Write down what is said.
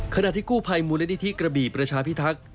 ขณะที่กู้ภัยมูลนิธิกระบี่ประชาพิทักษ์